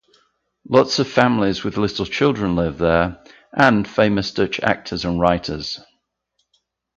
Lots of families with little children live there and famous Dutch actors and writers.